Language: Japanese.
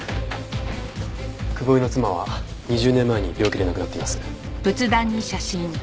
久保井の妻は２０年前に病気で亡くなっています。